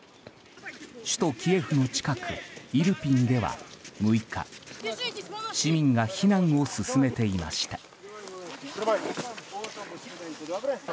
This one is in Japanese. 首都キエフの近く、イルピンでは６日市民が避難を進めていました。